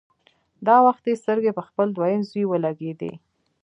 دا وخت يې سترګې په خپل دويم زوی ولګېدې.